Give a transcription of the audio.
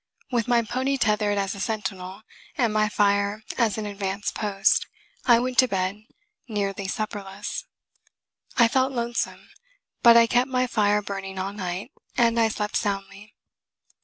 With my pony tethered as a sentinel, and my fire as an advance post, I went to bed, nearly supperless. I felt lonesome; but I kept my fire burning all night, and I slept soundly.